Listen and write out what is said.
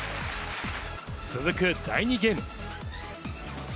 続く第２ゲーム。